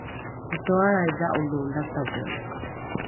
matoalrai dha’olo latadhe